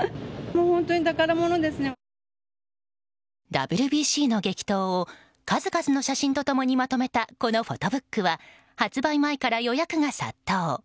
ＷＢＣの激闘を数々の写真と共にまとめたこのフォトブックは発売前から予約が殺到。